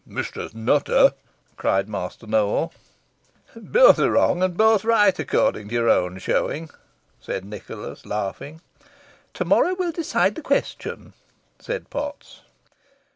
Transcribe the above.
"Mistress Nutter," cried Master Nowell. "Both are wrong and both right, according to your own showing," said Nicholas, laughing. "To morrow will decide the question," said Potts.